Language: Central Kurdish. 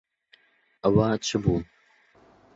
ئەوە چ بوو؟